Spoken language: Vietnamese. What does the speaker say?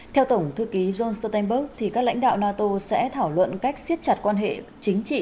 theo tổng thư ký jens stoltenberg các lãnh đạo nato sẽ thảo luận cách siết chặt quan hệ chính trị